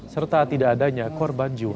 serta tidak adanya korban jiwa